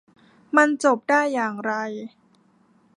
มันจบได้อย่างไร